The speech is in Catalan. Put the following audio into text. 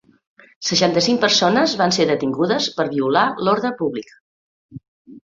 Seixanta cinc persones van ser detingudes per violar l'ordre públic.